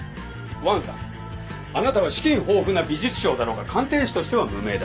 王さんあなたは資金豊富な美術商だろうが鑑定士としては無名だ。